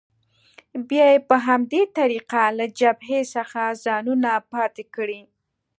بیا یې په همدې طریقه له جبهې څخه ځانونه پاتې کړي.